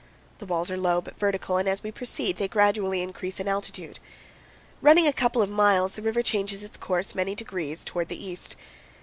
The walls are low, but vertical, and as we proceed they gradually increase in altitude. Running a couple of miles, the river changes its course many degrees toward the east.